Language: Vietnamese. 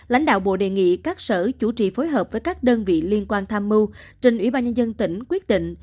lãnh đạo bộ đề nghị các sở chủ trì phối hợp với các đơn vị liên quan tham mưu trình ủy ban nhân dân tỉnh quyết định